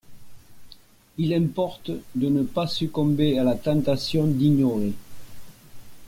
Il importe de ne pas succomber à la tentation d'ignorer.